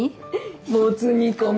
もつ煮込み。